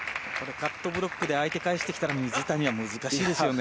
カットブロックで相手が返してきたら水谷は難しいでしょうね。